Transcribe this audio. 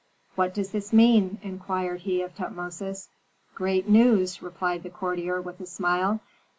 "What does this mean?" inquired he of Tutmosis. "Great news!" replied the courtier, with a smile.